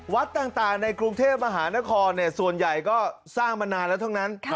วัดต่างในกรุงเทพมหานครส่วนใหญ่ก็สร้างมานานแล้วทั้งนั้น